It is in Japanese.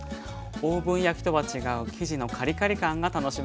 オーブン焼きとは違う生地のカリカリ感が楽しめます。